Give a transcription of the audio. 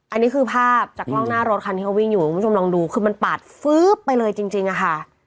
อันนี้คือภาพจากกล้องหน้ารถคันที่เขาวิ่งอยู่คุณผู้ชมลองดูคือมันปาดฟื๊บไปเลยจริงอะค่ะ